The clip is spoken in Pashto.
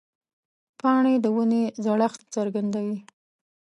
پاڼې د ونې زړښت څرګندوي.